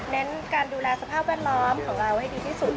เน้นการดูแลสภาพแวดล้อมของเราให้ดีที่สุด